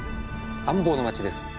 安房の町です。